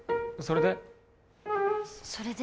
それで？